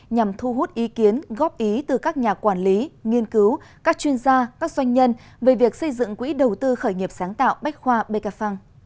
nhằm thu hút ý kiến góp ý từ các nhà quản lý nghiên cứu các chuyên gia các doanh nhân về việc xây dựng quỹ đầu tư khởi nghiệp sáng tạo bách khoa bkf